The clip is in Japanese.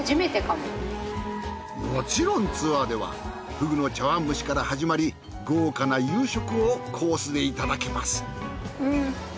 もちろんツアーではふぐの茶碗蒸しから始まり豪華な夕食をコースでいただけます。